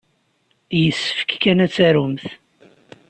Yessefk kan ad tarumt.